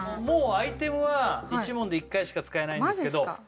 もうアイテムは１問で１回しか使えないんですけど